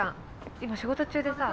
今仕事中でさ